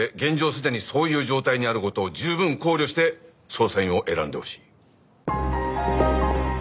すでにそういう状態にある事を十分考慮して捜査員を選んでほしい。